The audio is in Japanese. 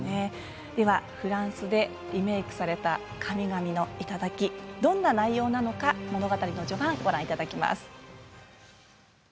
ではフランスでリメークされた「神々の山嶺」どんな内容なのか物語の序盤をご覧いただきます。